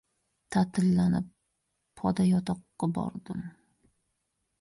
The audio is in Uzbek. Ta’tillanib, podayotoqqa bordim.